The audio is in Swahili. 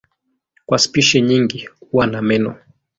Kwa spishi nyingi huwa na meno.